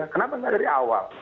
kenapa nggak dari awal